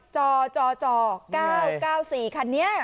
จจ๙๙๔คันนี้